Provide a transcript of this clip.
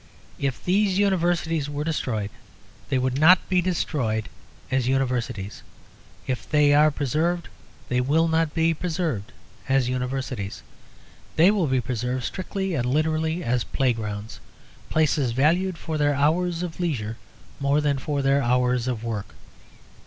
If these Universities were destroyed, they would not be destroyed as Universities. If they are preserved, they will not be preserved as Universities. They will be preserved strictly and literally as playgrounds; places valued for their hours of leisure more than for their hours of work.